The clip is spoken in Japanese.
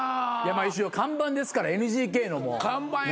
看板ですからＮＧＫの中川家は。